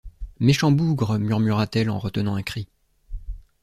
Méchant bougre! murmura-t-elle en retenant un cri